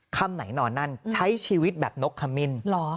คำไหนนอนนั่นใช้ชีวิตแบบนกขมิ้น